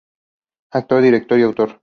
Actor, director y autor.